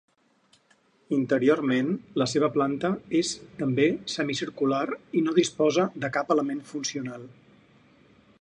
Interiorment la seva planta és també semicircular i no disposa de cap element funcional.